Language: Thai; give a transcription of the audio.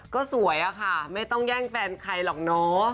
ก็สวยอะค่ะไม่ต้องแย่งแฟนใครหรอกเนอะ